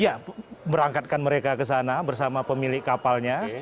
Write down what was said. iya merangkatkan mereka ke sana bersama pemilik kapalnya